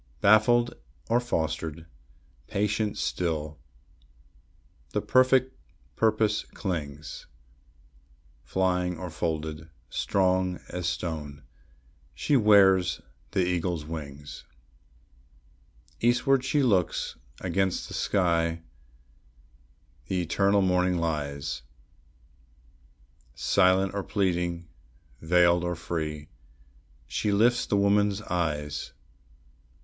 Baffled or fostered, patient still, the perfect purpose clings; Flying or folded, strong as stone, she wears the eagle's wings. Eastward she looks; against the sky the eternal morning lies; Silent or pleading, veiled or free, she lifts the woman's eyes.